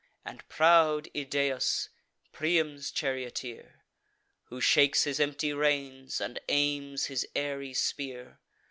And proud Idaeus, Priam's charioteer, Who shakes his empty reins, and aims his airy spear.